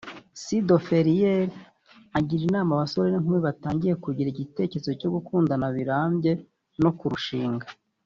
C de Ferrières agira inama abasore n’inkumi batangiye kugira igitekerezo cyo gukunda birambye no kurushinga